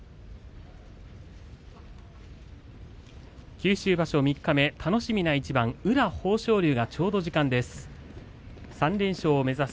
九州場所三日目楽しみな一番、宇良、豊昇龍がちょうど時間です。